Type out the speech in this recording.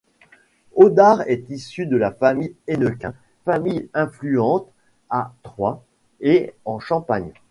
Odard est issu de la famille Hennequin, famille influente à Troyes et en Champagne.